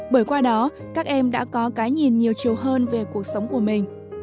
bởi qua đó các em đã có cái nhìn nhiều chiều hơn về cuộc sống của mình